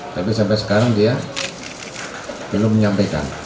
tapi sampai sekarang dia belum menyampaikan